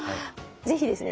是非ですね